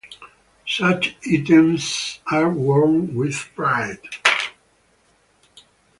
Such items are worn with pride.